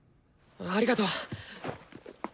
ありがとう！